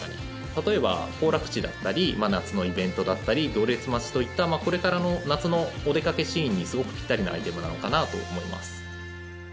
例えば行楽地だったり夏のイベントだったり行列待ちといったこれからの夏のお出かけシーンにすごくぴったりなアイテムなのかなと思います。